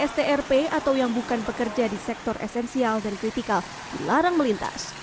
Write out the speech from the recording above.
strp atau yang bukan pekerja di sektor esensial dan kritikal dilarang melintas